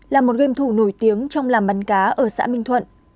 là một game thủ nổi tiếng trong làm bắn cá ở xã minh thuận